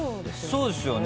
そうですよね。